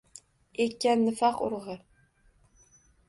Ekkan nifoq urug’i.